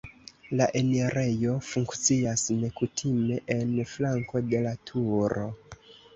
La enirejo funkcias nekutime en flanko de la turo.